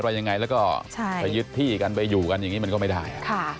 อะไรยังไงแล้วก็ไปยึดที่กันไปอยู่กันอย่างนี้มันก็ไม่ได้